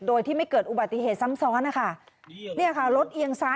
โดยที่ไม่เกิดอุบัติเหตุซ้ำซ้อนนะคะเนี่ยค่ะรถเอียงซ้าย